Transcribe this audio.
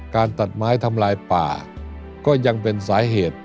ตัดไม้ทำลายป่าก็ยังเป็นสาเหตุ